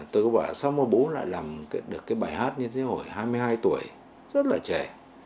tôi có bảo sao mà bố lại làm được cái bài hát như thế hồi hai mươi hai tuổi rất là trẻ